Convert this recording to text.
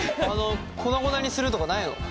粉々にするとかないの？